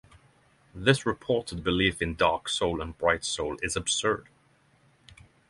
This reported belief in dark soul and bright soul is absurd.